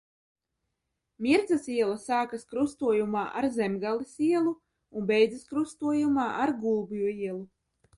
Mirdzas iela sākas krustojumā ar Zemgales ielu un beidzas krustojumā ar Gulbju ielu.